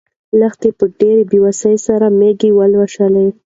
لښتې په ډېرې بې وسۍ سره مېږه ولوشله.